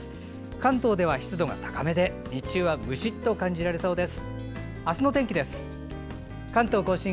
関東では湿度が高めで日中はムシッと感じられそうです。